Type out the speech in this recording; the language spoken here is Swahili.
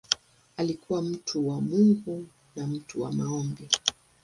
Alikuwa mtu wa Mungu na mtu wa maombi.